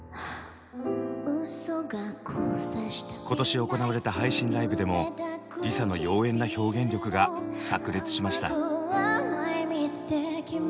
今年行われた配信ライブでもＬｉＳＡの妖艶な表現力がさく裂しました。